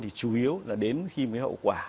thì chủ yếu là đến khi mấy hậu quả